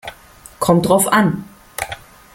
Kommt drauf an.